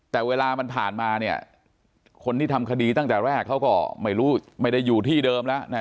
แต่เวลามันผ่านมาเนี่ยคนที่ทำคดีตั้งแต่แรกเขาก็ไม่รู้ไม่ได้อยู่ที่เดิมแล้วนะ